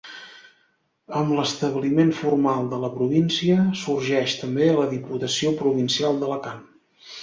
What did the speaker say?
Amb l'establiment formal de la província, sorgeix també la Diputació Provincial d'Alacant.